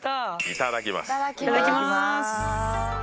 いただきます。